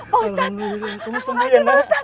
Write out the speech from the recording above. pak ustadz makasih pak ustadz